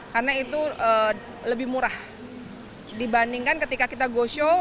karena itu lebih murah dibandingkan ketika kita go show